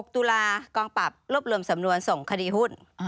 ตุลากองปรับรวบรวมสำนวนส่งคดีหุ้น